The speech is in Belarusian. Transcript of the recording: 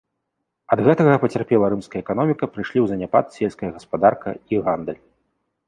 Ад гэтага пацярпела рымская эканоміка, прыйшлі ў заняпад сельская гаспадарка і гандаль.